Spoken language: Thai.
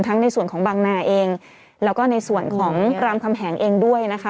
ในส่วนของบางนาเองแล้วก็ในส่วนของรามคำแหงเองด้วยนะคะ